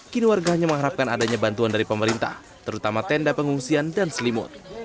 kini warga hanya mengharapkan adanya bantuan dari pemerintah terutama tenda pengungsian dan selimut